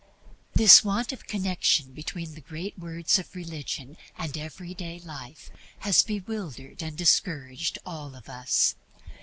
The want of connection between the great words of religion and every day life has bewildered and discouraged all of us.